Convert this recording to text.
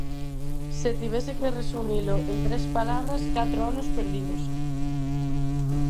Se tivese que resumilo en tres palabras, catro anos perdidos.